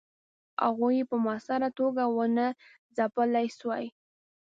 هغوی یې په موثره توګه ونه ځپلای سوای.